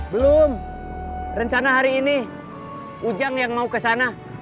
belum rencana hari ini ujang yang mau kesana